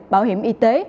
bảo hiểm y tế